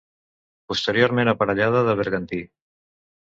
Posteriorment aparellada de bergantí.